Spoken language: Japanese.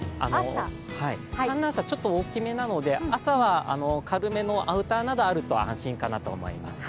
寒暖差ちょっと大きめなので、朝は軽めのアウターなどあると安心かなと思います。